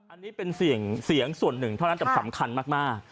อันนี้เป็นเสียงส่วนหนึ่งเท่านั้นแต่สำคัญมาก